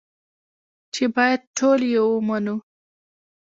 چې بايد ټول يې ومنو.